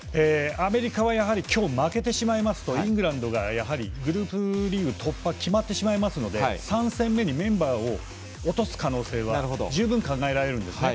アメリカはやはり今日負けてしまいますとイングランドがグループリーグ突破が決まってしまいますので３戦目にメンバーを落とす可能性は十分考えられるんですね。